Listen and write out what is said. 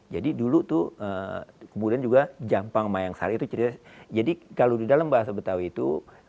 jadi dulu tuh kemudian juga jampang mayang sari itu jadi kalau di dalam bahasa betawi itu